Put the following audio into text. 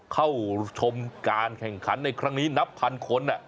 เข้าชมการแข่งขันในครั้งนี้นับพันคน